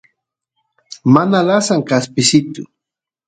mana lasan kaspisitu